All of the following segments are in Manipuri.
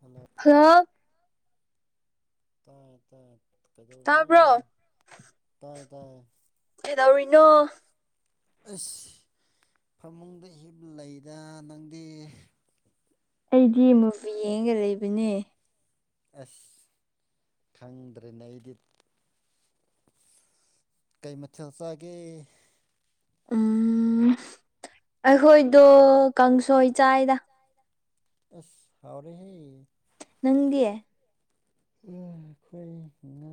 ꯍꯂꯞ ꯈꯥ ꯇꯥꯏ ꯇꯥꯏ ꯀꯗꯧꯅꯣ ꯇꯥꯕ꯭ꯔꯣ ꯇꯥꯏ ꯇꯥꯏ ꯀꯩꯗꯧꯔꯤꯅꯣ ꯑꯁ ꯐꯃꯨꯡꯗ ꯍꯞ ꯂꯩꯗ ꯅꯪꯗꯤ ꯑꯩꯗꯤ ꯃꯨꯚꯤ ꯌꯦꯡꯉꯒ ꯂꯩꯕꯅꯦ ꯑꯁ ꯈꯪꯗ꯭ꯔꯦꯅꯦ ꯑꯩꯗꯤ ꯀꯩ ꯃꯊꯦꯜꯆꯥꯒ ꯎꯝ ꯑꯩꯈꯣꯏꯗꯣ ꯀꯥꯡꯁꯣꯏ ꯆꯥꯏꯗ ꯑꯁ ꯍꯥꯎꯔꯦꯍꯦ ꯅꯪꯗꯤꯌꯦ ꯎ ꯑꯩꯈꯣꯏ ꯉꯥ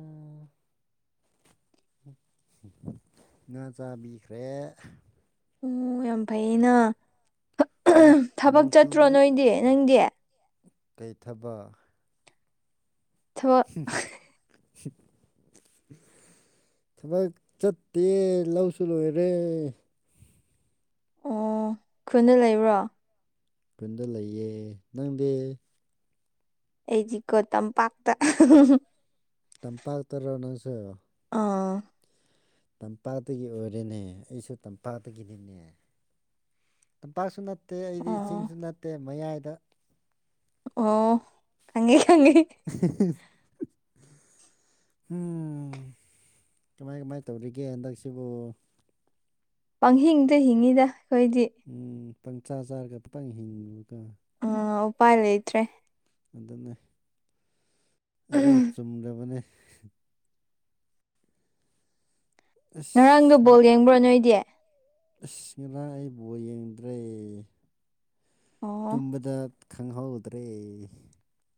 ꯉ ꯆꯥꯕꯤꯈ꯭ꯔꯦ ꯑꯣ ꯌꯥꯝ ꯐꯩꯌꯦꯅ ꯊꯕꯛ ꯆꯠꯇ꯭ꯔꯣ ꯅꯣꯏꯗꯤ ꯅꯪꯗꯤ ꯀꯩꯊꯕ ꯊꯕꯛ [unintelligible] ꯊꯕꯛ ꯆꯠꯇꯦ ꯂꯧꯁꯨ ꯂꯣꯏꯔꯦ ꯑꯣ ꯈꯨꯅ ꯂꯩꯕ꯭ꯔꯣ ꯐꯟꯗ ꯂꯩꯌꯦ ꯅꯪꯗꯤ ꯑꯩꯗꯤꯀꯣ ꯇꯝꯄꯥꯛꯇ ꯇꯝꯄꯥꯛ ꯇꯔꯣ ꯅꯪꯁꯨ ꯑꯥ ꯇꯝꯄꯥꯛꯗꯒꯤ ꯑꯣꯏꯔꯦꯅꯦ ꯑꯩꯁꯨ ꯇꯝꯄꯥꯛꯗꯒꯤꯅꯤꯅꯦ ꯇꯝꯄꯥꯛꯁꯨ ꯅꯠꯇꯦ ꯑꯩꯗꯤ ꯑꯣ ꯆꯤꯡꯁꯨ ꯅꯠꯇꯦ ꯃꯌꯥꯏꯗ ꯑꯣ ꯈꯪꯉꯩ ꯈꯪꯉꯩ [unintelligible] ꯎꯝ ꯀꯃꯥꯏ ꯀꯃꯥꯏ ꯇꯧꯔꯤꯒꯦ ꯍꯟꯗꯛꯁꯤꯕꯨ ꯄꯪꯍꯤꯡꯗ ꯍꯤꯡꯉꯤꯗ ꯑꯩꯈꯣꯏꯗꯤ ꯎꯝ ꯄꯪꯆꯥꯥ ꯆꯥꯔꯒ ꯇꯪ ꯍꯤꯡꯕꯀꯣ ꯎꯄꯥꯏ ꯂꯩꯇ꯭ꯔꯦ ꯑꯗꯨꯅꯦ ꯑꯗꯨ ꯆꯨꯝꯗꯕꯅꯦ ꯉꯔꯥꯡꯗꯣ ꯑꯁ ꯕꯣꯜ ꯌꯦꯡꯕ꯭ꯔꯣ ꯅꯣꯏꯗꯤ ꯑꯁ ꯉꯔꯥꯡ ꯑꯩ ꯕꯣꯜ ꯌꯦꯡꯗ꯭ꯔꯦ ꯑꯣ ꯇꯨꯝꯕꯗ ꯈꯪꯍꯧꯗ꯭ꯔꯦ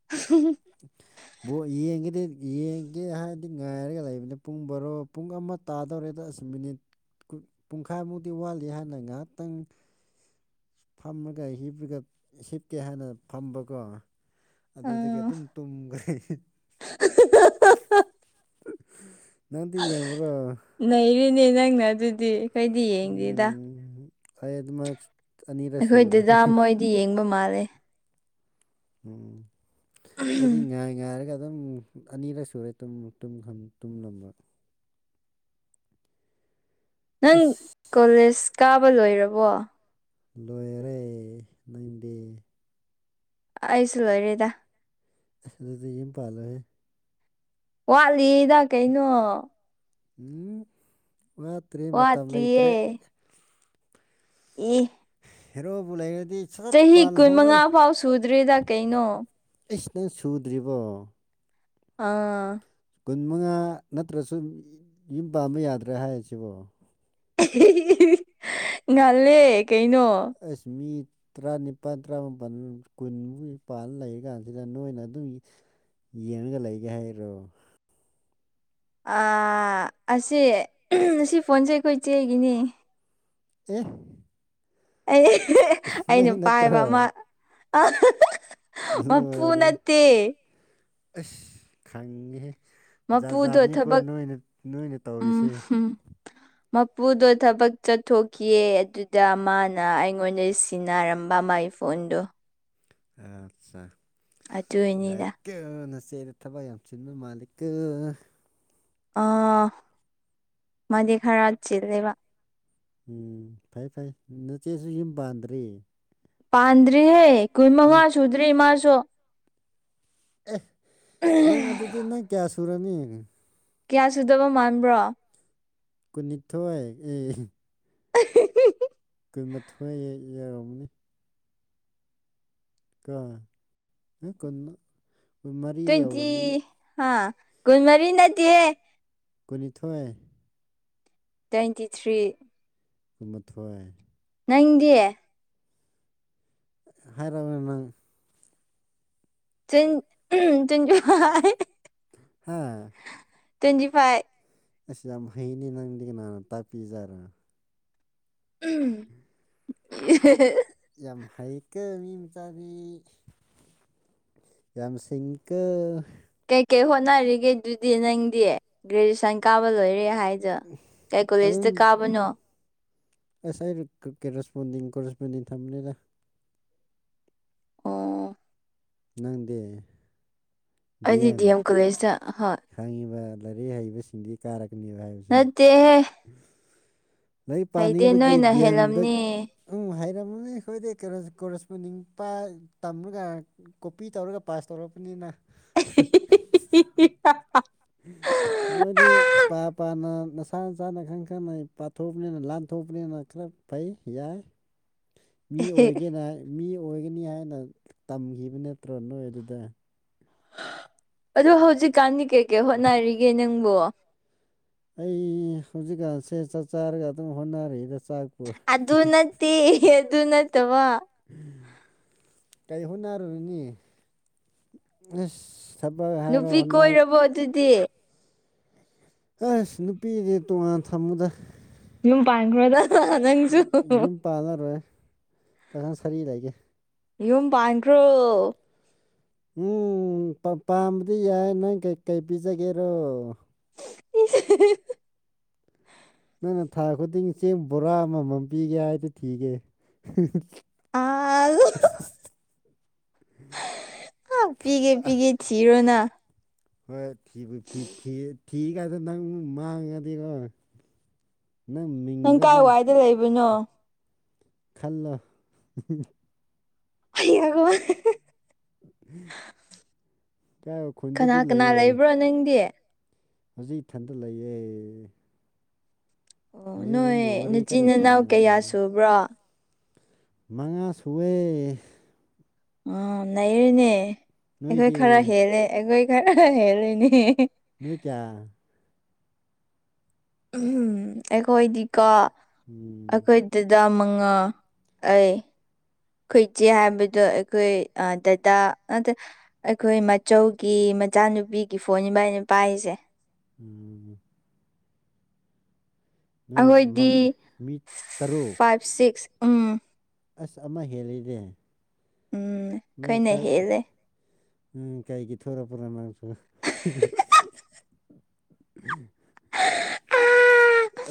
ꯎ [unintelligible] [unintelligible] ꯕꯣꯜ ꯌꯦꯡꯒꯗꯤ ꯌꯦꯡꯒꯦ ꯍꯥꯏꯔꯗꯤ ꯉꯥꯏꯔꯒ ꯂꯩꯕꯅꯤ ꯄꯨꯡ ꯕꯣꯔꯣ ꯄꯨꯡ ꯑꯃ ꯇꯥꯗꯧꯔꯦꯗ ꯑꯁ ꯃꯤꯅꯤꯠ ꯄꯨꯡꯈꯥꯏ ꯃꯨꯛꯇꯤ ꯋꯥꯠꯂꯤ ꯍꯥꯏꯅ ꯉꯥꯏꯍꯥꯛꯇꯪ ꯐꯝꯃꯒ ꯍꯤꯞꯔꯒ ꯍꯤꯞꯀꯦ ꯍꯥꯏꯅ ꯐꯝꯕꯀꯣ ꯑꯗꯨꯗꯒꯤ ꯑꯥ ꯑꯗꯨꯝ ꯇꯨꯝꯈꯔꯦ ꯅꯪꯗꯤ ꯌꯦꯕꯔꯣ ꯂꯩꯔꯤꯅꯦ ꯅꯪꯅ ꯑꯗꯨꯗꯤ ꯑꯩꯈꯣꯏꯗꯤ ꯌꯦꯡꯗꯦꯗ ꯐꯌꯦꯗ ꯃꯥ [unintelligible] ꯑꯩꯈꯣꯏ ꯗꯥꯗꯥ ꯃꯣꯏꯗꯤ ꯌꯦꯡꯕ ꯃꯥꯜꯂꯦ ꯎꯝ ꯑꯩꯗꯤ ꯉꯥꯏ ꯉꯥꯏꯔꯒ ꯑꯗꯨꯝ ꯑꯅꯤꯔꯛ ꯁꯨꯔꯦ ꯇꯨꯝꯂꯝꯕ ꯅꯪ ꯑꯁ ꯀꯣꯂꯦꯖ ꯀꯥꯕ ꯂꯣꯏꯔꯕꯣ ꯂꯣꯏꯔꯦ ꯅꯪꯗꯤ ꯑꯩꯁꯨ ꯂꯣꯏꯔꯦꯗ ꯑꯗꯨꯗꯤ ꯌꯨꯝ ꯄꯥꯂꯣꯍꯦ ꯋꯥꯠꯂꯤꯗ ꯀꯩꯅꯣ ꯎꯝ ꯋꯥꯠꯇ꯭ꯔꯤ ꯃꯇꯝ ꯂꯩꯇ꯭ꯔꯦ ꯋꯥꯠꯂꯤꯌꯦ ꯎ ꯍꯦꯔꯣꯕꯨ ꯂꯩꯔꯗꯤ ꯁꯠ ꯆꯍꯤ ꯄꯥꯜꯍꯧꯔꯣ ꯀꯨꯟꯃꯉꯥ ꯐꯥꯎ ꯁꯨꯗ꯭ꯔꯦꯗ ꯀꯩꯅꯣ ꯑꯩꯁ ꯅꯪ ꯁꯨꯗ꯭ꯔꯤꯕꯣ ꯑꯥ ꯀꯨꯟ ꯃꯉꯥ ꯅꯠꯇ꯭ꯔꯁꯨ ꯌꯨꯝ ꯄꯥꯝꯕ ꯌꯥꯗ꯭ꯔꯦ ꯍꯥꯏꯔꯁꯤꯕꯣ ꯉꯜꯂꯦ ꯀꯩꯅꯣ ꯑꯁ ꯃꯤꯠ ꯇꯔꯥꯅꯤꯄꯥꯜ ꯇꯔꯥꯃꯥꯄꯜ ꯀꯨꯜ ꯃꯨꯛ ꯄꯥꯜ ꯂꯩꯔꯤ ꯀꯥꯟꯁꯤꯗ ꯅꯣꯏꯅ ꯑꯗꯨꯝ ꯌꯦꯡꯉꯒ ꯂꯩꯒꯦ ꯍꯥꯏꯔꯣ ꯑ ꯑꯁꯦ ꯑꯁꯤ ꯐꯣꯟꯁꯦ ꯑꯩꯈꯣꯏ ꯆꯦꯒꯤꯅꯤ ꯑꯦ ꯑꯩ ꯅꯪ ꯑꯩꯅ ꯄꯥꯏꯕ ꯅꯠꯇ꯭ꯔꯣ ꯑꯃ ꯃꯄꯨ ꯂꯣꯏꯔꯦ ꯅꯠꯇꯦ ꯑꯁ ꯈꯉꯦ ꯖꯥꯠ ꯃꯄꯨꯗꯣ ꯖꯥꯠꯅꯤꯀꯣ ꯊꯕꯛ ꯅꯣꯏꯅ ꯅꯣꯏꯅ ꯎꯝ ꯇꯧꯔꯤꯁꯦ ꯍꯨꯝ ꯃꯄꯨꯗꯣ ꯊꯕꯛ ꯆꯠꯊꯣꯛꯈꯤꯑ ꯑꯗꯨꯗ ꯃꯥ ꯅ ꯑꯩꯉꯣꯟꯗ ꯁꯤꯟꯅꯔꯝꯕ ꯃꯥꯏ ꯐꯣꯟꯗꯣ ꯑꯠꯆꯥ ꯌꯥꯏ ꯑꯗꯨꯏꯅꯤꯗ ꯀꯅꯆꯦꯗ ꯊꯕꯛ ꯌꯥꯝ ꯁꯤꯟꯕ ꯃꯥꯂꯤꯛ ꯑꯥ ꯃꯥꯗꯤ ꯈꯔ ꯆꯦꯜꯂꯦꯕ ꯎꯝ ꯐꯩ ꯐꯩ ꯅꯆꯦꯁꯨ ꯌꯨꯝ ꯄꯥꯟꯗ꯭ꯔꯤꯌꯦ ꯄꯥꯟꯗ꯭ꯔꯤꯍꯦ ꯀꯨꯏ ꯃꯉꯥ ꯅꯪ ꯁꯨꯗ꯭ꯔꯤ ꯏꯃꯥꯁꯨ ꯑꯦ ꯅꯪ ꯑꯗꯨꯗꯤ ꯅꯪ ꯀꯌꯥ ꯁꯨꯔꯅꯤ ꯀꯌꯥ ꯁꯨꯗꯕ ꯃꯥꯟꯕ꯭ꯔꯣ ꯀꯨꯟꯅꯤꯊꯣꯏ ꯑꯦ ꯑ ꯀꯨꯟꯃꯥꯊꯣꯏ ꯌꯥꯧꯔꯝꯅꯤ ꯀꯥ ꯀ ꯇ꯭ꯋꯦꯟꯇꯤ ꯍꯥꯥ ꯀꯨꯟꯃꯔꯤ ꯅꯠꯇꯦ ꯀꯨꯟꯅꯤꯊꯣꯏ ꯇ꯭ꯋꯦꯟꯇꯤ ꯊ꯭ꯔꯤ ꯀꯨꯟꯃꯥꯊꯣꯏ ꯅꯪꯗꯤ ꯍꯥꯏꯔꯑꯃꯦ ꯅꯪ ꯆ ꯎꯝ ꯆꯨꯖꯨ ꯍꯥꯥ ꯇ꯭ꯋꯦꯟꯇꯤ ꯐꯥꯏꯚ ꯑꯩꯁ ꯌꯥꯝ ꯍꯩꯅꯤ ꯅꯪꯗꯤ ꯀꯅꯥꯅ ꯇꯥꯛꯄꯤꯔꯣ ꯎꯝ ꯌꯥꯝ ꯍꯩꯀ ꯃꯤ ꯃꯆꯥꯗꯤ ꯌꯝꯁꯤꯤꯡꯀ ꯀꯩꯀꯩ ꯍꯣꯠꯅꯔꯤꯒꯦ ꯑꯗꯨꯗꯤ ꯅꯪꯗꯤ ꯒ꯭ꯔꯦꯖꯨꯑꯦꯁꯟ ꯀꯥꯕ ꯂꯣꯏꯔꯦ ꯍꯥꯏꯗꯤ ꯑꯗꯨ ꯑꯁ ꯑꯩꯅ ꯀꯦꯔꯦꯁꯄꯣꯟꯗꯤꯡ ꯀꯦꯁꯄꯣꯟꯗꯤꯡ ꯊꯝꯃꯅꯦꯗ ꯑꯣ ꯅꯪꯗꯤ ꯑꯩꯗꯤ ꯗꯤ ꯑꯦꯝ ꯀꯣꯂꯦꯖꯇ ꯍꯣꯏ ꯈꯪꯉꯤꯕ ꯂꯥꯏꯔꯤꯛ ꯍꯩꯕꯁꯤꯡꯗꯤ ꯀꯥꯔꯛꯀꯅꯦꯕ ꯍꯥꯏꯕ ꯅꯠꯇꯦ ꯂꯩ ꯄꯥꯅꯤꯡꯕꯒꯤ ꯅꯣꯏꯅ ꯗꯤ ꯑꯦꯝꯗ ꯍꯦꯜꯂꯝꯅꯤ ꯎꯝ ꯍꯥꯏꯔꯝꯃꯅꯦ ꯑꯩꯈꯣꯏꯗꯤ ꯀꯣꯔꯦꯁꯄꯣꯟꯗꯤꯡ ꯄ ꯇꯝꯔꯒ ꯀꯣꯄꯤ ꯇꯧꯔꯒ ꯄꯥꯁ ꯇꯧꯔꯛꯄꯅꯤꯅ ꯤ ꯅꯣꯏꯗꯤ ꯏ ꯄ ꯄꯥꯅ ꯅꯁꯥ ꯅꯁꯥꯅ ꯈꯪ ꯈꯪꯅ ꯄꯥꯊꯣꯛꯑꯕꯅꯤꯅ ꯂꯥꯟꯊꯣꯛꯄꯅꯤꯅ ꯈꯔ ꯐꯩ ꯌꯥꯏ [inaudible] ꯃꯤ ꯑꯣꯏꯒꯦꯅ ꯃꯤ ꯑꯣꯏꯒꯅꯤ ꯍꯥꯏꯅ ꯇꯝꯈꯤꯕ ꯅꯠꯇ꯭ꯔꯣ ꯅꯣꯏ ꯑꯗꯨꯗ ꯑ ꯍꯧꯖꯤꯛꯀꯥꯟꯗꯤ ꯀꯩꯀꯩ ꯍꯣꯠꯅꯔꯤꯒꯦ ꯅꯪꯕꯨꯣ ꯑꯩ ꯍꯧꯖꯤꯛꯀꯥꯟꯁꯦ ꯆꯥꯛ ꯆꯥꯔꯒ ꯑꯗꯨꯝ ꯍꯣꯠꯅꯔꯤꯛꯗ ꯆꯥꯛ ꯑꯗꯨ ꯅꯠꯇꯦ ꯑꯗꯨ ꯑꯗꯨ ꯅꯠꯇꯋꯥ ꯀꯥꯏꯍꯣꯅꯔꯨꯅꯤꯁ ꯊꯕꯛ ꯍꯥꯏꯔ ꯅꯨꯄꯤ ꯍꯟꯅꯔ [unintelligible] ꯑꯗꯨꯗꯤ ꯑꯁ ꯅꯨꯄꯤꯗꯤ ꯇꯣꯉꯥꯟ ꯊꯝꯃꯗ ꯌꯨꯝ ꯄꯥꯟ [unintelligible] ꯌꯨꯝ ꯇꯥꯟꯅꯔꯣꯏ ꯄꯥꯈꯜ ꯁꯥꯔꯤ ꯂꯩꯒꯦ ꯌꯨꯝ ꯄ ꯥꯟꯒ꯭ꯔꯣ ꯎꯝ ꯄꯥꯝꯕꯗꯤ ꯌꯥꯏ ꯅꯪ ꯀꯩ ꯀꯩ ꯄꯤꯖꯒꯦꯔꯣ [inaudible] ꯅꯪꯅ ꯊꯥ ꯈꯨꯗꯤꯡ ꯆꯦꯡ ꯕꯣꯔꯥ ꯑꯃꯃꯝꯕꯤꯒꯦ ꯍꯥꯏꯗꯤ ꯊꯤꯒꯦ ꯑ ꯄꯤꯒꯦ ꯄꯤꯒꯦ ꯁꯤꯔꯣꯅ ꯍꯣꯏ ꯊꯤꯕꯨꯤ ꯊꯤꯒꯗꯦ ꯅꯪ ꯃꯥꯡꯉꯗꯤꯀꯣ ꯅꯪ ꯃꯤꯡꯗ ꯀꯥꯏ ꯅꯪ ꯋꯥꯏꯗ ꯂꯩꯕꯅꯣ ꯈꯜꯂ ꯑꯩꯡꯉ ꯀꯥꯏ ꯀꯅꯥ ꯈꯨꯟꯗꯗꯤ ꯀꯅꯥ ꯂꯩꯌꯦ ꯂꯩꯕ꯭ꯔꯣ ꯅꯪꯗꯤ ꯍꯧꯖꯤꯛ ꯏꯊꯟꯗ ꯂꯩꯌꯦꯦ ꯑꯣ ꯖꯩꯅꯪ ꯅꯣꯏ ꯋꯥꯔꯤꯔꯤ ꯅꯆꯤꯟ ꯀꯥꯟꯅ ꯅꯅꯥꯎ ꯁꯅꯔ ꯀꯌꯥ ꯁꯨꯕ꯭ꯔꯣ ꯃꯉꯥ ꯁꯋꯦ ꯑꯥ ꯂꯩꯔꯨꯅꯦ ꯑꯩꯈꯣꯏ ꯅꯣꯏꯗꯤ ꯈꯔ ꯍꯦꯜꯂꯦ ꯑꯩꯈꯣꯏ ꯈꯔ ꯍꯦꯜꯜꯂꯤꯨꯅꯦ [unintelligible] ꯎꯝ ꯑꯩꯈꯣꯏꯗꯤꯀꯣ ꯎꯝ ꯑꯩꯈꯣꯏ ꯇꯗ ꯃꯉꯥ ꯑꯩ ꯑꯩꯈꯣꯏꯆꯦ ꯍꯥꯏꯕꯗꯣ ꯑꯩꯈꯣꯏ ꯗꯇꯥ ꯅꯠꯇ꯭ꯔ ꯑꯩꯈꯣꯏ ꯃꯆꯧꯒꯤ ꯃꯆꯥꯅꯨꯄꯤꯒꯤ ꯐꯣꯟꯅꯤꯕ ꯑꯩꯅ ꯄꯥꯏꯔꯤꯁꯦ ꯎꯝ ꯅꯣꯏ ꯑꯩꯈꯣꯏꯗꯤ ꯃꯪ ꯃꯤ ꯇꯔꯨꯛ ꯐꯥꯏꯚ ꯁꯤꯛꯁ ꯎꯝ ꯑꯁ ꯑꯃ ꯍꯦꯜꯂꯤꯅꯦꯦ ꯎꯝ ꯅ ꯑꯩꯈꯣꯏꯅ ꯑꯦꯈꯔ ꯍꯦꯜꯂꯦ ꯎꯝ ꯀꯥꯏꯒꯤ ꯊꯣꯔ ꯄꯨꯔꯥ ꯃꯁꯨ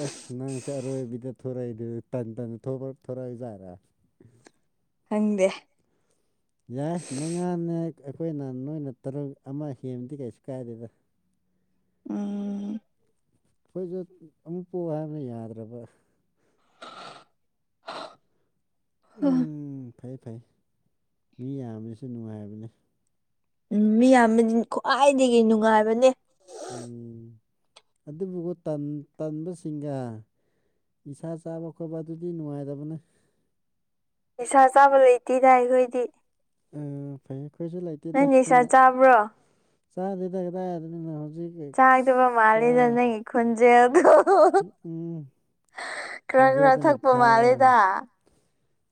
ꯑꯁ ꯅꯪ ꯆ ꯑꯔꯣꯏꯕꯤꯗ ꯊꯣꯔꯛꯏꯗ ꯇꯟ ꯇꯟ ꯊꯣꯔꯛꯑꯏ ꯌꯥꯥꯔ ꯍꯪꯗꯦ ꯌꯥꯏ ꯃꯉꯥꯅꯦ ꯑꯩꯈꯣꯏꯅ ꯅꯣꯏꯅ ꯇꯔꯨꯛ ꯑꯃ ꯍꯦꯟꯕꯗꯤ ꯀꯩꯁꯨ ꯀꯥꯏꯗꯦꯗ ꯎꯝ ꯑꯩꯈꯣꯏꯁꯨ ꯑꯃꯨꯛ ꯄꯣꯛ ꯍꯥꯏꯕꯅ ꯌꯥꯗ꯭ꯔꯕ ꯍ ꯎꯝ ꯐꯩ ꯐꯩ ꯃꯤ ꯌꯥꯝꯃꯤꯁꯨ ꯅꯨꯡꯉꯥꯏꯔꯕꯅꯤ ꯎ ꯃꯤ ꯌꯥꯝꯕ ꯈ꯭ꯋꯥꯏꯗꯒꯤ ꯅꯨꯡꯉꯥꯏꯕꯅꯦ ꯎꯝ ꯑꯗꯨꯕꯨꯒ ꯇꯟꯕꯁꯤꯡꯒ ꯅꯤꯥ ꯆꯥꯕ ꯈꯣꯠꯄ ꯑꯗꯨꯗꯤ ꯅꯨꯡꯉꯥꯏꯇꯕꯅꯦ ꯅꯤꯁꯥ ꯆꯥꯕ ꯂꯩꯇꯦꯗ ꯑꯩꯈꯣꯏꯗꯤ ꯑ ꯐꯩ ꯑꯩꯈꯣꯏꯁꯨ ꯂꯩꯇꯦꯗ ꯅꯪ ꯅꯤꯁꯥ ꯑꯩꯅ ꯆꯥꯕ꯭ꯔꯣ ꯆꯥꯗꯦꯗ ꯀꯗꯥꯏꯗꯅꯤꯅꯣ ꯍꯧꯖꯤꯛ ꯆꯥꯛꯗꯕ ꯆꯥ ꯃꯥꯜꯂꯤꯦꯗ ꯅꯪꯒꯤ ꯈꯨꯣꯟꯖꯦꯜꯗ ꯑꯣ ꯎꯝ ꯈꯔ ꯈꯔ ꯈꯣꯟꯖꯦꯜꯗꯨꯅ ꯊꯛꯄ ꯃꯥꯜꯂꯦꯗ ꯐꯥꯕ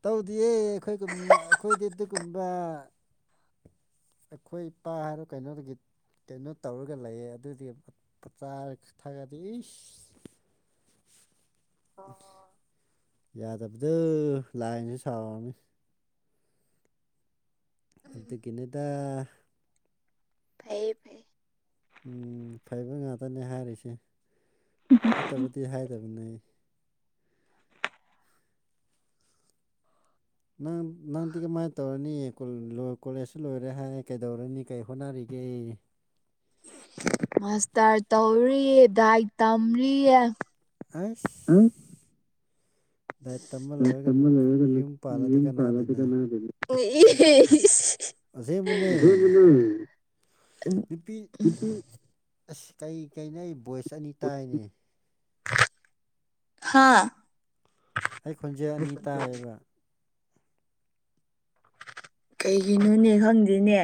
ꯇꯧꯗꯤꯌꯦ ꯑꯩꯈꯣꯏꯒ ꯑꯩꯈꯣꯏꯗꯤ ꯑꯗꯨꯒꯨꯝꯕ ꯑꯩꯈꯣꯏ ꯏꯄꯥ ꯍꯥꯏꯔꯣ ꯀꯩꯅꯣꯗꯒꯤ ꯀꯩꯅꯣ ꯇꯧꯔꯒ ꯂꯩꯌꯦ ꯑꯗꯨꯗꯤ ꯆꯥꯔ ꯊꯥꯒꯗꯤ ꯏꯁ ꯌꯥꯗꯕꯗ ꯂꯥꯏꯅꯦ ꯁꯥꯎꯅꯤ ꯑꯗꯨꯗꯒꯤꯅꯗ ꯐꯩꯌꯦ ꯐꯩ ꯎ ꯐꯩꯕ ꯉꯥꯛꯇꯅꯦ ꯍꯥꯏꯔꯤꯁꯦ ꯐꯠꯇꯕꯗꯤ ꯍꯥꯏꯗꯕꯅꯦ ꯑꯩ ꯅꯪ ꯅꯪꯗꯤ ꯀꯃꯥꯏꯅ ꯇꯧꯔꯅꯤ ꯀꯣꯂꯦꯖꯁꯨ ꯂꯣꯏꯔꯦ ꯍꯥꯏ ꯀꯩꯗꯧꯔꯅꯤ ꯀꯩ ꯍꯣꯠꯅꯔꯤꯒꯦ ꯃꯁꯇꯔ ꯇꯧꯔꯤ ꯗꯥꯏ ꯇꯝꯔꯤꯌꯦ ꯑꯁ ꯂꯥꯏꯔꯤꯛ ꯇꯝꯕ ꯇ ꯂꯣꯏꯔꯒ ꯅꯨꯄꯤ ꯌꯨꯝ ꯌꯦ ꯄꯥꯜꯂꯗꯤ ꯇ ꯀꯅꯥꯗꯦꯅ ꯀ ꯑꯁꯦꯡꯕꯅꯦ ꯅꯨꯄꯤ [unintelligible] ꯑꯁ ꯀꯩ ꯀꯩꯅ ꯑꯩ ꯚꯣꯏꯁ ꯑꯅꯤ ꯇꯥꯏꯅꯤ ꯍꯥꯥ ꯑꯩ ꯈꯣꯟꯖꯦꯜ ꯑꯅꯤ ꯇꯥꯏꯌꯦꯕ ꯀꯩꯒꯤꯅꯣꯅꯦ ꯈꯪꯗꯦꯅꯦ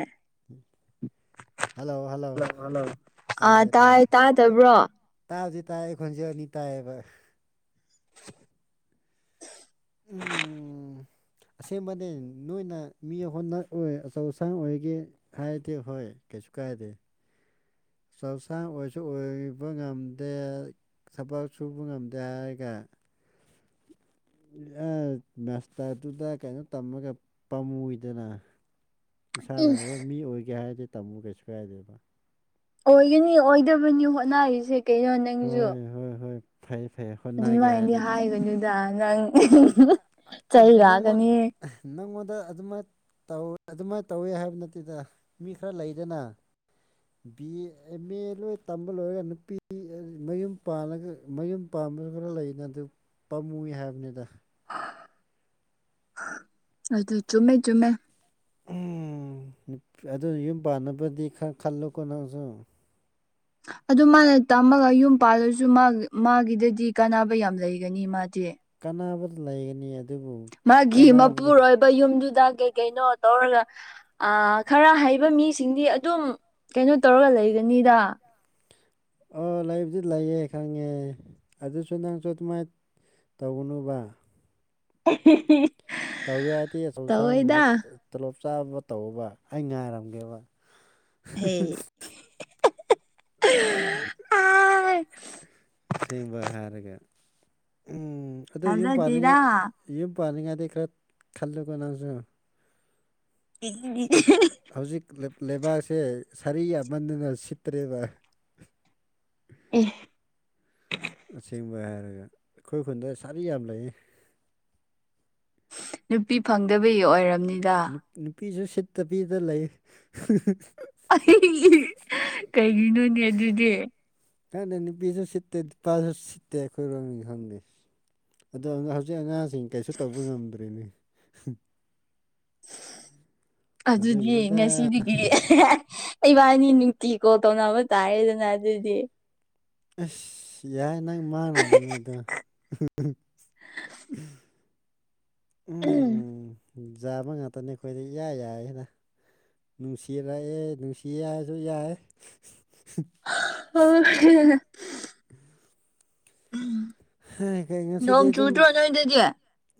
ꯍꯜꯂꯣ ꯍꯜꯂꯣ ꯑꯥ ꯇꯥꯔꯦ ꯇꯥꯔꯦ ꯇꯥꯏ ꯇꯥꯗꯕ꯭ꯔꯣ ꯇꯥꯕꯗꯤ ꯇꯥꯏꯑꯌꯦꯈꯣꯟꯁꯦ ꯑꯅꯤ ꯇꯥꯏꯑꯦꯕ ꯎꯝ ꯑꯁꯦꯡꯕꯅꯦ ꯅꯣꯏꯅ ꯃꯤ ꯑꯩꯈꯣꯟꯅ ꯑꯣꯏ ꯑꯆꯧ ꯑꯁꯥꯡ ꯑꯣꯏꯒꯦ ꯍꯥꯏꯗꯦ ꯍꯣꯏ ꯀꯩꯁꯨ ꯀꯥꯏꯗꯦ ꯆꯥꯛꯁꯥꯡ ꯑꯣꯏꯁꯨ ꯑꯣꯏꯕ ꯉꯝꯗꯦ ꯊꯕꯛ ꯁꯨꯕ ꯉꯝꯗꯦ ꯍꯥꯏꯔꯒ ꯑꯦ ꯃꯁꯇꯔꯗꯨꯗ ꯀꯩꯅꯣ ꯇꯝꯃꯒ ꯄꯥꯝꯃꯨꯏꯗꯅ ꯏꯁꯥꯅ ꯏꯁ ꯃꯤ ꯑꯣꯏꯒꯦ ꯍꯥꯏꯔꯗꯤ ꯇꯝꯃꯨ ꯀꯩꯁꯨ ꯌꯥꯏꯗꯦꯕ ꯑꯣꯏꯒꯅꯤ ꯑꯣꯏꯗꯕꯅꯤ ꯍꯣꯠꯅꯔꯤꯁꯦ ꯀꯩꯅꯣ ꯅꯪꯁꯨ ꯍꯣꯏ ꯍꯣꯏ ꯍꯣꯏ ꯐꯥꯏ ꯐꯥꯏ ꯑꯩ ꯑꯗꯨꯃꯥꯏꯅꯗꯤ ꯍꯥꯏꯒꯅꯤꯗ ꯅꯪ ꯆꯩ ꯅꯪꯉꯣꯟ ꯂꯥꯛꯀꯅꯤ ꯅꯪꯉꯣꯟꯗ ꯑꯗꯨꯃꯥꯏꯅ ꯇꯧ ꯑꯗꯨꯃꯥꯏꯅ ꯇꯧꯋꯤ ꯍꯥꯏꯕ ꯅꯠꯇꯦꯗ ꯃꯤ ꯈꯔ ꯂꯩꯗꯅ ꯕꯤ ꯑꯦ ꯑꯦꯝ ꯑꯦ ꯂꯣꯏ ꯇꯝꯕ ꯂꯣꯏꯔꯒ ꯅꯨꯄꯤ ꯃꯌꯨꯝ ꯄꯜꯂꯒ ꯃꯌꯨꯝ ꯄꯥꯟꯕꯁꯨ ꯈꯔ ꯂꯩꯅ ꯑꯗꯨ ꯄꯥꯝꯃꯨꯏ ꯍꯥꯏꯕꯅꯤꯗ ꯑꯗꯨ ꯆꯨꯝꯃꯦ ꯆꯨꯝꯃꯦ ꯑꯗꯨ ꯌꯨꯝ ꯄꯥꯟꯅꯕꯗꯤ ꯈꯔ ꯈꯜꯂꯨꯀꯣ ꯅꯪꯁꯨ ꯑꯗꯨ ꯃꯥꯅ ꯇꯝꯃꯒ ꯌꯨꯝ ꯄꯥꯜꯂꯁꯨ ꯃꯥ ꯃꯥꯒꯤꯗꯗꯤ ꯀꯥꯟꯅꯕ ꯌꯥꯝ ꯂꯩꯒꯅꯤ ꯃꯥꯗꯤ ꯀꯥꯟꯅꯕ ꯂꯩꯒꯅꯤ ꯑꯗꯨꯕꯨ ꯃꯥꯒꯤ ꯀꯥꯟꯅꯕꯗꯤ ꯃꯄꯨꯔꯣꯏꯕ ꯌꯨꯝꯗꯨꯗ ꯀꯩ ꯀꯩꯅꯣ ꯇꯧꯔꯒ ꯈꯔ ꯍꯩꯕ ꯃꯤꯁꯤꯡꯗꯤ ꯑꯗꯨꯝ ꯀꯩꯅꯣ ꯇꯧꯔꯒ ꯂꯩꯒꯅꯤꯗ ꯑꯣ ꯂꯩꯕꯨꯗꯤ ꯂꯩꯌꯦ ꯈꯪꯉꯦ ꯑꯗꯨꯁꯨ ꯅꯪꯁꯨ ꯑꯗꯨꯃꯥꯏꯅ ꯇꯧꯅꯕ [unintelligible] ꯇꯧꯒꯦ ꯍꯥꯏꯔꯗꯤ ꯑꯆꯧ ꯑꯁꯥꯡ ꯇꯧꯋꯦꯗ ꯇꯣꯂꯣꯞ ꯆꯥꯕ ꯇꯧꯕꯧꯕ ꯑꯩ ꯉꯥꯏꯔꯝꯒꯦꯕ ꯍ ꯑꯥꯏ ꯑ ꯑꯁꯦꯡꯕ ꯍꯥꯏꯔꯒ ꯑꯗꯨ ꯌꯨꯝ ꯊꯥꯖꯗꯦꯗ ꯄꯥꯅꯤꯡꯉꯥꯏ ꯌꯨꯝ ꯄꯥꯅꯤꯡꯉꯥꯏꯗꯤ ꯈꯔ ꯈꯜꯂꯨꯀꯣ ꯅꯪꯁꯨ [unintelligible] ꯍꯧꯖꯤꯛ ꯂꯩꯕꯥꯛꯁꯦ ꯁꯥꯔꯤ ꯌꯥꯝꯃꯟꯗꯨꯅ ꯁꯤꯠꯇ꯭ꯔꯦꯕ ꯑꯁꯦꯡꯕ ꯍꯥꯏꯔꯒ ꯑꯩꯈꯣꯏ ꯈꯨꯟꯗ ꯁꯥꯔꯤ ꯌꯥꯝ ꯂꯩꯌꯦ ꯅꯨꯄꯤ ꯐꯪꯗꯕꯒꯤ ꯑꯣꯏꯔꯝꯅꯤꯗ ꯅꯨꯄꯤꯁꯨ ꯁꯤꯠꯇ ꯄꯤꯗ ꯂꯩ ꯑꯩ ꯀꯩꯒꯤꯅꯣꯅꯦ ꯑꯗꯨꯗꯤ ꯀꯥꯏ ꯅꯅꯤ ꯄꯤꯁ ꯍ ꯁꯤꯠꯇꯇꯦ ꯄꯥꯁ ꯍ ꯁꯤꯇꯦꯈꯣꯏꯔꯝ ꯈꯪꯗ ꯑꯗꯣ ꯍꯧꯖꯤꯛ ꯑꯉꯥꯡꯁꯤꯡ ꯀꯩꯁꯨ ꯇꯧꯕ ꯉꯝꯗ꯭ꯔꯦꯅꯦ ꯑꯗꯨꯗꯤ ꯌꯦ ꯑꯗꯨꯒꯤꯅꯤꯗ ꯉꯁꯤꯗꯤ ꯏꯕꯥꯅꯤ ꯅꯨꯡꯇꯤ ꯀꯣꯜ ꯇꯧꯅꯕ ꯇꯥꯔꯦꯗꯅ ꯑꯗꯨꯗꯤ ꯑꯁ ꯌꯥꯏ ꯅꯪ ꯃꯥꯡꯅꯕꯅꯦꯗꯣ ꯎꯝ ꯎ ꯥꯕ ꯉꯥꯛꯇꯅꯤ ꯑꯩꯈꯣꯏꯗ ꯏꯌꯥ ꯌꯥꯏꯅ ꯅꯨꯡꯁꯤꯔꯛꯑꯦ ꯅꯨꯡꯁꯤ ꯍꯥꯏꯁꯨ ꯌꯥꯏ [unintelligible] ꯍꯥꯏ ꯀꯩ ꯉꯁꯤꯗ ꯅꯣꯡ ꯑꯗꯨꯝ ꯆꯨꯗ꯭ꯔꯣ ꯅꯣꯏꯗꯗꯤ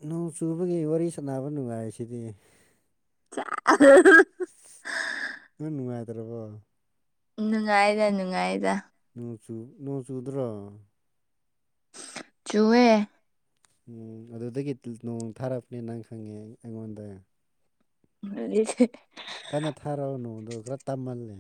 ꯅꯣꯡ ꯆꯨꯕꯒꯤ ꯋꯥꯔꯤ ꯁꯥꯟꯅꯕ ꯅꯨꯡꯉꯥꯏꯁꯤꯗꯤ ꯆꯦ ꯑ ꯍꯥ ꯍꯥ ꯅꯪ ꯅꯨꯡꯉꯥꯏꯇ꯭ꯔꯕꯣ ꯅꯨꯡꯉꯥꯏꯗ ꯅꯨꯡꯉꯥꯏꯗ ꯅꯣꯡꯆꯨ ꯅꯣꯡ ꯆꯨꯗ꯭ꯔꯣ ꯆꯨꯋꯦ ꯎꯝ ꯑꯗꯨꯗꯒꯤ ꯅꯣꯡ ꯊꯥꯔꯛꯄꯅꯦ ꯅꯪ ꯈꯪꯉꯦ ꯑꯩꯉꯣꯟꯗ [unintelligible] ꯀꯟꯅ ꯊꯥꯔꯛꯑꯣ ꯅꯣꯡꯗꯣ ꯈꯔ ꯇꯞꯃꯜꯂꯦ